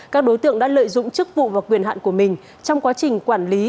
các đối tượng đã lợi dụng chức vụ và quyền hạn của mình trong quá trình quản lý